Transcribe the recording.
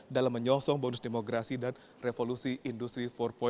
dalam menyosong bonus demografi dan revolusi industri empat